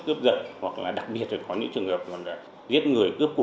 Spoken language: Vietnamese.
cướp giật hoặc là đặc biệt là có những trường hợp là giết người cướp cụ